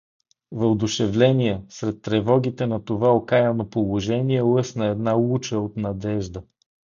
Въодушевление Сред тревогите на това окаяно положение лъсна една луча от надежда.